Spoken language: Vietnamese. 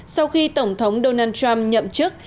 sau khi tổng thống donald trump nhậm chức